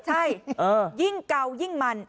ใช่ยิ่งเก่ายิ่งมัน